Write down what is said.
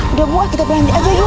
udah bu kita bayangin aja yuk